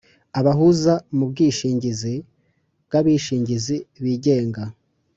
abahuza mu bwishingizi bw’abishingizi bigenga;